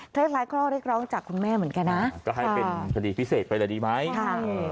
คล้ายคล้ายข้อเรียกร้องจากคุณแม่เหมือนกันนะก็ให้เป็นคดีพิเศษไปเลยดีไหมค่ะ